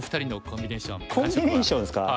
コンビネーションですか。